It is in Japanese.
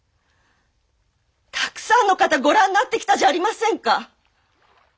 たくさんの方ご覧になってきたじゃありませんか。